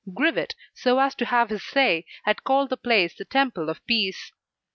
Grivet, so as to have his say, had called the place the Temple of Peace.